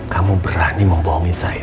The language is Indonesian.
kamu berani membohongi saya